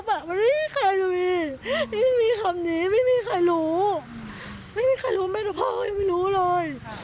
มันไม่มีใครรู้อีกไม่มีคำนี้ไม่มีใครรู้ไม่มีใครรู้ไม่รู้พ่อยังไม่รู้เลย